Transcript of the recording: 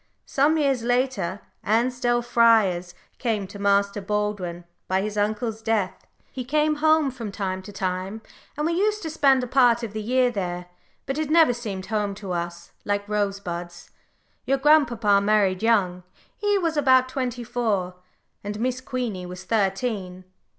Some years later, Ansdell Friars came to Master Baldwin, by his uncle's death. He came home from time to time, and we used to spend a part of the year there, but it never seemed home to us, like Rosebuds. Your grandpapa married young he was about twenty four, and Miss Queenie was thirteen.